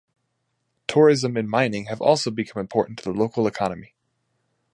Tourism and mining have also become important to the local economy.